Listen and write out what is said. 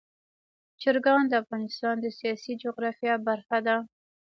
چرګان د افغانستان د سیاسي جغرافیه برخه ده.